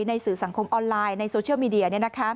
สื่อสังคมออนไลน์ในโซเชียลมีเดีย